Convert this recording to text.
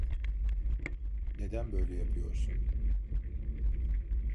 Neden böyle yapıyorsun?